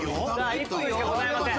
１分しかございません。